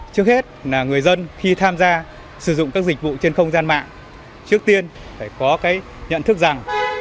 trước hết là người dân khi tham gia sử dụng các dịch vụ trên không gian mạng trước tiên phải có cái nhận thức rằng